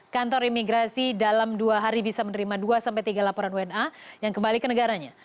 kantor imigrasi dalam dua hari bisa menerima dua tiga laporan wna yang kembali ke negaranya